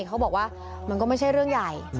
เขาบอกว่ามันก็ไม่ใช่เรื่องใหญ่